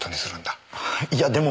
いやでも。